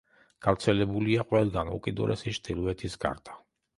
გავრცელებულია ყველგან, უკიდურესი ჩრდილოეთის გარდა.